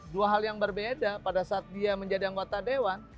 dua hal yang berbeda pada saat dia menjadi anggota dewan